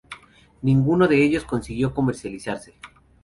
Ninguno de ellos consiguió comercializarse.